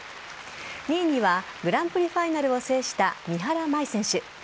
２位にはグランプリファイナルを制した三原舞依選手